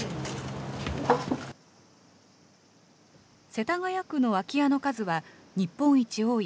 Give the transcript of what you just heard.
世田谷区の空き家の数は日本一多い